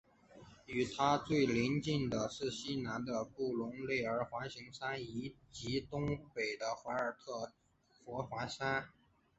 与它最邻近的是西南的布隆内尔环形山以及东北的怀尔德环形山。